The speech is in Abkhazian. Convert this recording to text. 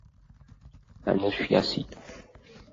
Анышә иасит.